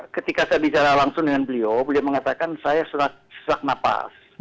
ketika saya bicara langsung dengan beliau beliau mengatakan saya sesak napas